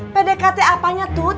pdkt apanya tut